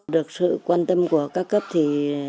được sự quan tâm của các cấp thì